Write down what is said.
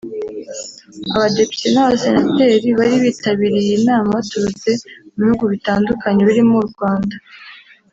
Abadepite n’abasenateri bari bitabiriye iyi nama baturutse mu bihugu bitandukanye birimo u Rwanda